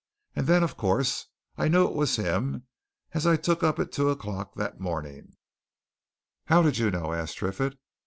And then, of course, I knew it was him as I took up at two o'clock that morning." "How did you know?" asked Triffitt.